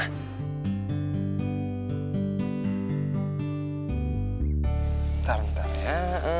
bentar bentar ya